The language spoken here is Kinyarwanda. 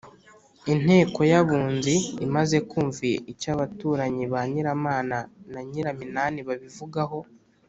inteko y’abunzi imaze kumva icyo abaturanyi ba nyiramana na nyiraminani babivugaho